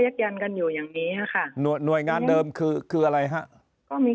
ยันกันอยู่อย่างนี้ค่ะหน่วยงานเดิมคือคืออะไรฮะก็มี